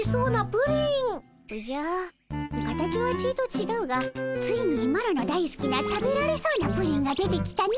おじゃ形はちいとちがうがついにマロのだいすきな食べられそうなプリンが出てきたの。